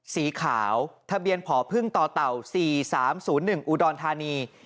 สีขาวทะเบียนผอพึ่งต่อเต่า๔๓๐๑อุดรธานี